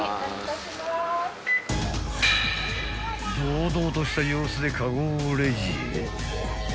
［堂々とした様子でカゴをレジへ］